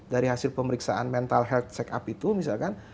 dari hasil pemeriksaan mental health check up itu misalkan